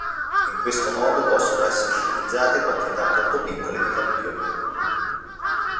In questo modo possono essere utilizzate quantità molto piccole di campione.